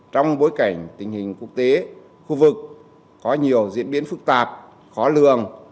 trong bối cảnh tình hình quốc tế khu vực có nhiều diễn biến phức tạp khó lường